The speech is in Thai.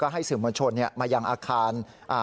ให้สื่อมวลชนมายังอาคาร